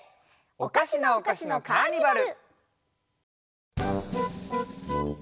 「おかしなおかしのカーニバル」。